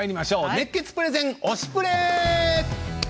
熱血プレゼン「推しプレ！」。